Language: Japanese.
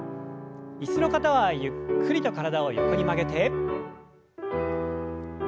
椅子の方はゆっくりと体を横に曲げて。